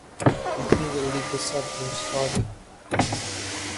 اتنی جلدی غصہ کیوں سوری